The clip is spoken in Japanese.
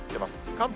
関東